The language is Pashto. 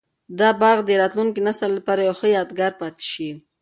دا باغ به د راتلونکي نسل لپاره یو ښه یادګار پاتي شي.